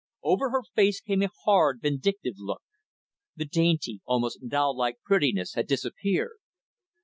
Over her face came a hard, vindictive look. The dainty, almost doll like prettiness had disappeared.